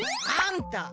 あんた！